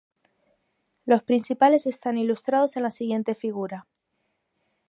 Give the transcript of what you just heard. Los principales están ilustrados en la siguiente figura.